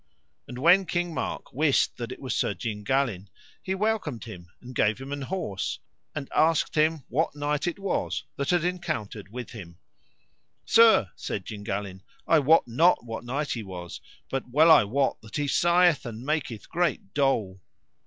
And when King Mark wist that it was Sir Gingalin he welcomed him and gave him an horse, and asked him what knight it was that had encountered with him. Sir, said Gingalin, I wot not what knight he was, but well I wot that he sigheth and maketh great dole.